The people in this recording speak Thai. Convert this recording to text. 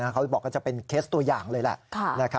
เขาบอกว่าจะเป็นเคสตัวอย่างเลยแหละ